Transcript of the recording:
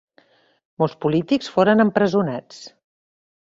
Molts polítics foren empresonats.